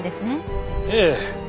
ええ。